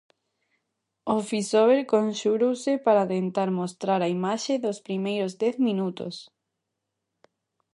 O Fisober conxurouse para tentar mostrar a imaxe dos primeiros dez minutos.